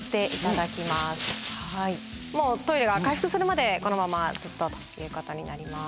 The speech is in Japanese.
もうトイレが回復するまでこのままずっとということになります。